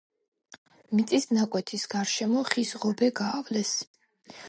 მიწის ნაკვეთის გარშემო ხის ღობე გაავლეს.